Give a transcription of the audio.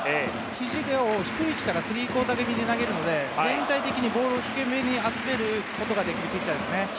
ひじを低い位置からスリークオーター気味に投げるので全体的にボールを低めに集められるピッチャーです。